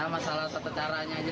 ya masalah tata caranya aja